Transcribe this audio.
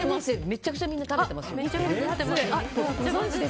めっちゃみんな食べてますよ。